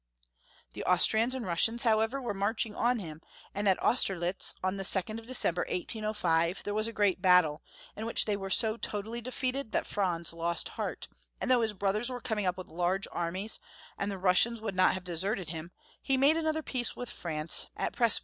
The Austrians and Russians, however were marching on him, and at Austerlitz, on the 2nd of December, 1805, there was a great battle, in which they were so totally defeated that Franz lost heart, and though his brothers were coming up with large armies, and the Russians would not have deserted him, he made another peace with France at Pres Franz 11.